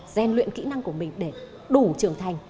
gian luyện kỹ năng của mình để đủ trưởng thành